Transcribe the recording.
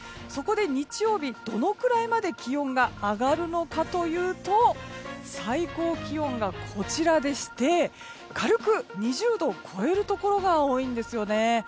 そこで、日曜日どのくらいまで気温が上がるのかというと最高気温がこちらでして軽く２０度を超えるところが多いんですよね。